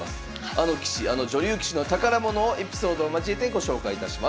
あの棋士あの女流棋士の宝物をエピソードを交えてご紹介いたします。